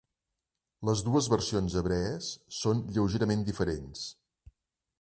Les dues versions hebrees són lleugerament diferents.